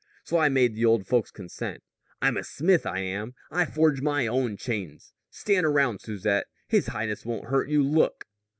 So I made the old folks consent. I'm a smith, I am. I forge my own chains. Stand around, Susette! His highness won't hurt you. Look!"